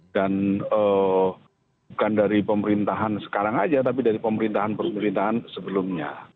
dan bukan dari pemerintahan sekarang saja tapi dari pemerintahan pemerintahan sebelumnya